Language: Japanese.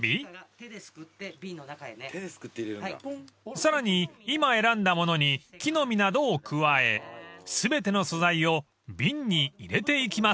［さらに今選んだものに木の実などを加え全ての素材を瓶に入れていきます］